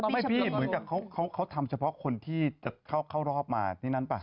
ไม่พี่เหมือนกับเขาทำเฉพาะคนที่จะเข้ารอบมาที่นั้นป่ะ